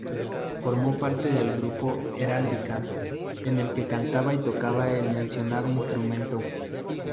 Formó parte del grupo Heráldica, en el que cantaba y tocaba el mencionado instrumento.